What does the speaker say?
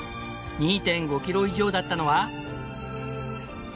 ２．５キロ以上だったのは。